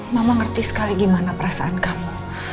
mama ngerti sekali gimana perasaan kamu